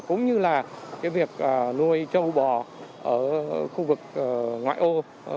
cũng như việc nuôi châu bò ở khu vực ngoại ô